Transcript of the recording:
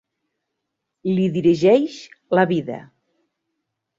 Li dirigeix la vida.